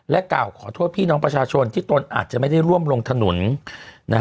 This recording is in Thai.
กล่าวขอโทษพี่น้องประชาชนที่ตนอาจจะไม่ได้ร่วมลงถนนนะฮะ